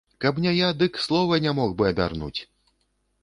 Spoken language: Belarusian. Каб не я, дык слова не мог бы абярнуць.